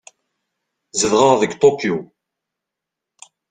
Zedɣeɣ deg Tokyo.